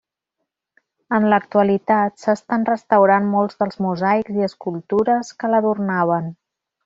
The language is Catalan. En l'actualitat, s'estan restaurant molts dels mosaics i escultures que l'adornaven.